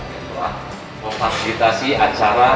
yang telah memfasilitasi acara